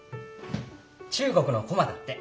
中国のコマだって。